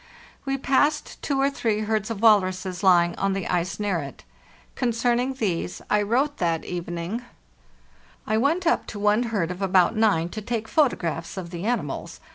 We passed two or three herds of walruses ly ing on the ice near it. Concerning these I wrote that evening: "I went up to one herd of about nine to take photographs of the animals.